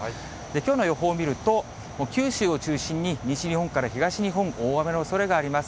きょうの予報を見ると、もう九州を中心に西日本から東日本、大雨のおそれがあります。